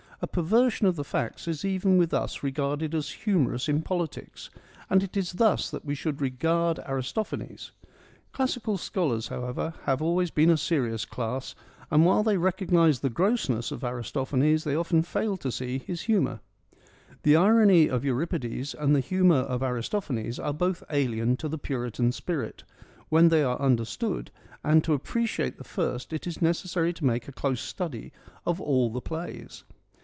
A perversion of the facts is even with us regarded as humorous in politics, and it is thus that we should regard Aristophanes. Classical scholars, however, have always been a serious class and while they recognise the grossness of Aristophanes they often fail to see his humour. The irony of Euripides and the humour of Aristophanes are both alien to the Puritan spirit, when they are understood, and to appreciate the first it is necessary to make a close study of all the plays.